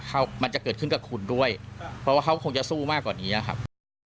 มันจะเกิดขึ้นกับคุณด้วยเพราะว่าเขาคงจะสู้มากกว่านี้นะครับ